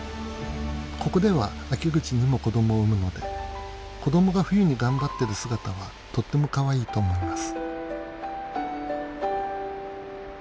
ここでは秋口にも子どもを産むので子どもが冬に頑張ってる姿はとってもかわいいと思います。